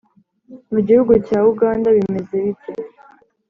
mu gihugu cya uganda bimeza bite,